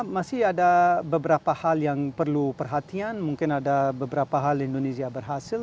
masih ada beberapa hal yang perlu perhatian mungkin ada beberapa hal indonesia berhasil